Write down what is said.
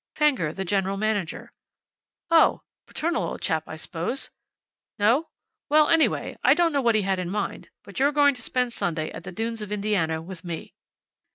"Fenger, the General Manager." "Oh! Paternal old chap, I suppose. No? Well, anyway, I don't know what he had in mind, but you're going to spend Sunday at the dunes of Indiana with me."